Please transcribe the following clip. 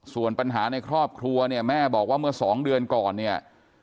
ส่วนปัญหาในครอบครัวเนี่ยแม่บอกว่าเมื่อสองเดือนก่อนเนี่ย